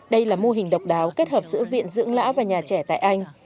đây là mô hình độc đáo kết hợp giữa viện dưỡng lão và nhà trẻ tại anh